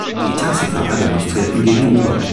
Die Taxifahrer demonstrierten gegen Uber.